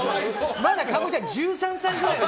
まだ加護ちゃん１３歳ぐらい。